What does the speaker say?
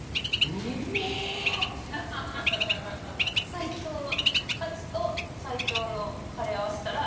最強のカツと最強のカレーを合わせたら。